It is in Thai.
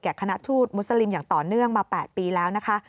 คณะทูตมุสลิมอย่างต่อเนื่องมา๘ปีแล้วนะคะ